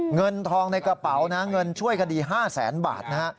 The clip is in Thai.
เงินทองในกระเป๋านะเงินช่วยคดี๕แสนบาทนะฮะ